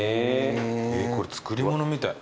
これ作り物みたい。